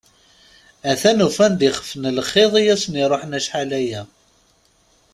Atan ufan-d ixef n lxiḍ i asen-iruḥen acḥal-aya.